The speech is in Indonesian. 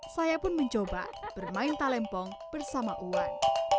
saya pun mencoba bermain talempong bersama uan